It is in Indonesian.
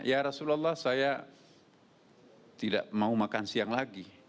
ya rasulullah saya tidak mau makan siang lagi